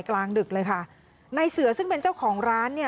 กลางดึกเลยค่ะในเสือซึ่งเป็นเจ้าของร้านเนี่ย